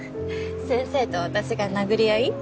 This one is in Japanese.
先生と私が殴り合い？